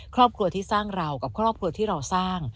ครอบครัวที่สร้างเรากับครอบครัวที่เราสร้าง